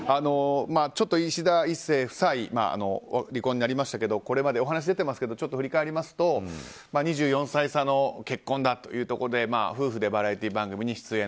いしだ壱成夫妻は離婚になりましたけどこれまでお話が出てますけど振り返りますと２４歳差の結婚だということで夫婦でバラエティー番組に出演。